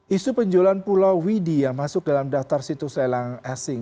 isu penjualan pulau widi yang masuk dalam daftar situs lelang asing